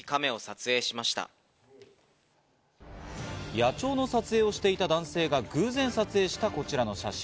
野鳥の撮影をしていた男性が偶然撮影したこの写真。